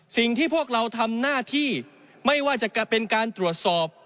สิ่งที่พวกเราทำหน้าที่ไม่ว่าจะเป็นการตรวจสอบ